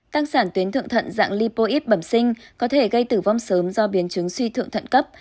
tăng sản tuyến thượng thận dạng lipo ít bẩm sinh có thể gây tử vong sớm do biến chứng suy thượng thận cấp